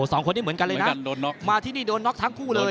สองคนนี้เหมือนกันเลยนะโดนน็อกมาที่นี่โดนน็อกทั้งคู่เลย